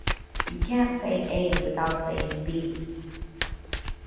You can’t say A without saying B.